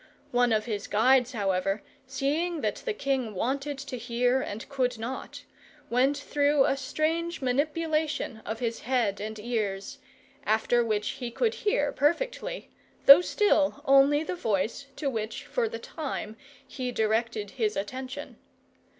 One of his guides, however, seeing that the king wanted to hear and could not, went through a strange manipulation of his head and ears; after which he could hear perfectly, though still only the voice to which, for the time, he directed his attention.